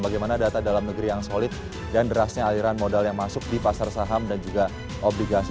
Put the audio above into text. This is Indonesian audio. bagaimana data dalam negeri yang solid dan derasnya aliran modal yang masuk di pasar saham dan juga obligasi